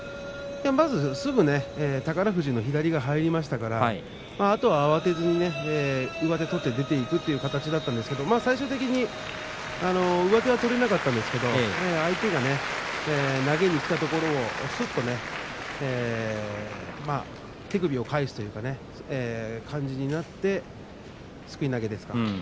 まずすぐに宝富士の左が入りましたからあとは慌てずに上手を取って出ていく形だったんですけれども最終的に上手は取れなかったんですけれども相手が投げにきたところをすっと、手首を返すというかねそういう感じになってすくい投げですか。